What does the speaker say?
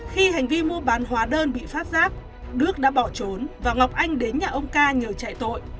khi hành vi mua bán hóa đơn bị phát giác đức đã bỏ trốn và ngọc anh đến nhà ông ca nhờ chạy tội